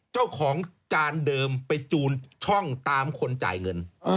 เจ้าของจานเดิมไปจูนช่องตามคนจ่ายเงิน